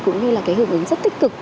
cũng như là cái hưởng ứng rất tích cực